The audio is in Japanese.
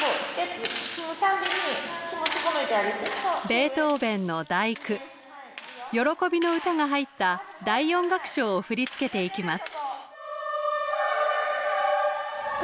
ベートーベンの「第９喜びの歌」が入った第４楽章を振り付けていきます。